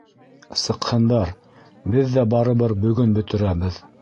— Сыҡһындар, беҙ ҙә барыбер бөгөн бөтөрәбеҙ.